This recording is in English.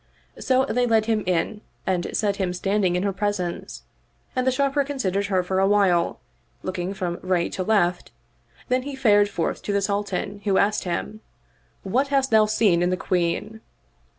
So they led him in and set him standing in her presence, and the Sharper considered her for a while, look ing from right to left ; then he fared forth to the Sultan who asked him, "What hast thou seen in the Queen?"